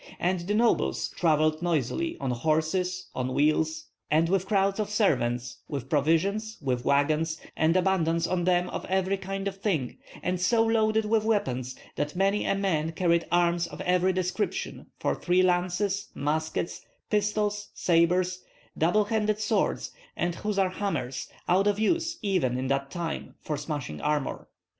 And the nobles travelled noisily on horses, on wheels, and with crowds of servants, with provisions, with wagons, and abundance on them of every kind of thing, and so loaded with weapons that many a man carried arms of every description for three lances, muskets, pistols, sabres, double handed swords and hussar hammers, out of use even in that time, for smashing armor.